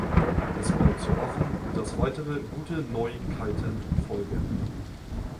Es bleibt zu hoffen, dass weitere gute Neuigkeiten folgen.